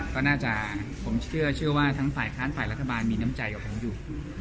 ก็น่าจะผมเชื่อว่าทั้งฝ่ายค้านฝ่ายรัฐบาลมีน้ำใจกับผมอยู่